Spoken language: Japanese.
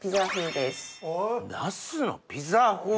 ナスのピザ風？